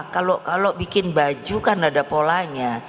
kalau bikin baju kan ada polanya